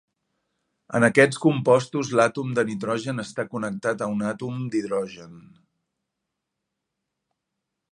En aquests compostos l'àtom de nitrogen està connectat a un àtom d'hidrogen.